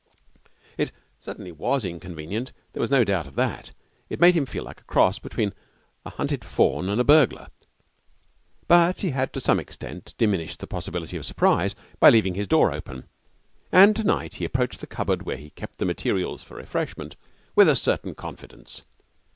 It certainly was inconvenient there was no doubt of that. It made him feel like a cross between a hunted fawn and a burglar. But he had to some extent diminished the possibility of surprise by leaving his door open; and to night he approached the cupboard where he kept the materials for refreshment with a certain confidence.